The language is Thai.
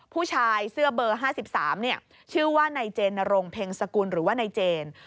ผู้ชายเสื้อเบอร์๕๓ชื่อว่านายเจนรงเพ็งสกุลหรือว่านายเจน